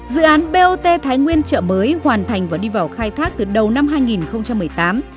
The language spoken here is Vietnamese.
dự án bot thái nguyên chợ mới hoàn thành và đi vào khai thác từ đầu năm hai nghìn một mươi tám